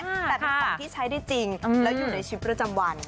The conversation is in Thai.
แต่เป็นของที่ใช้ได้จริงแล้วอยู่ในชีวิตประจำวัน